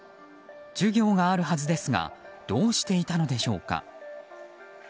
授業があるはずですがどうしていたのでしょうか。